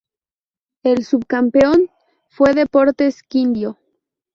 El subcampeón fue Deportes Quindío.